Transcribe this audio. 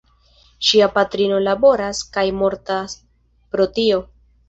Ŝia patrino laboras kaj mortas pro tio.